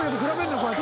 こうやって。